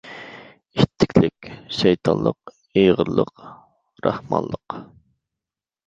ئىتتىكلىك—شەيتانلىق، ئېغىرلىق—راھمانلىق.